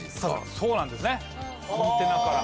そうなんですねアンテナから。